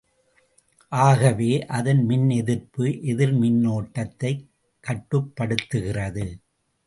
ஆகவே, அதன் மின்எதிர்ப்பு எதிர் மின்னோட்டத்தைக் கட்டுப்படுத்துகிறது.